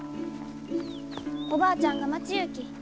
おばあちゃんが待ちゆうき。